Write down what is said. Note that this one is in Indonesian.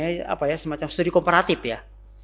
nah ini juga mempunyai semacam studi kooperatif ya